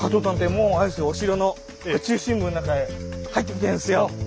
もうあれですよお城の中心部の中へ入ってきてんですよ。